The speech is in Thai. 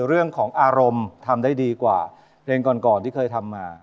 เรื่องของอารมณ์ทำได้ดีกว่าเพลงก่อนที่เคยทำมา